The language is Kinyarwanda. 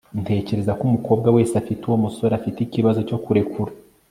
ntekereza ko umukobwa wese afite uwo musore afite ikibazo cyo kurekura